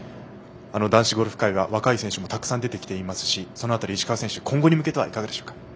男子ゴルフ界は若い選手もたくさん出てきていますしその辺り石川選手今後に向けていかがですか？